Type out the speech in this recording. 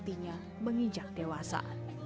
imas menggigil dewasa